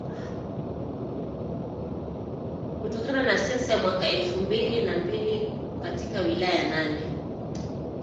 kutokana na sensa ya mwaka elfu mbili na mbili katika wilaya nane